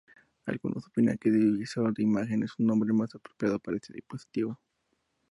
Algunos opinan que "divisor de imagen" es un nombre más apropiado para este dispositivo.